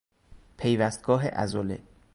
پیوستگاه عضله